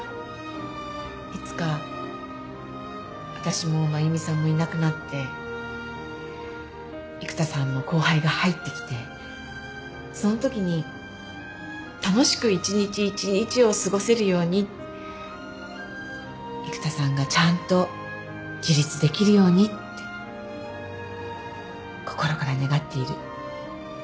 いつか私も真由美さんもいなくなって育田さんの後輩が入ってきてそのときに楽しく一日一日を過ごせるように育田さんがちゃんと自立できるようにって心から願っている。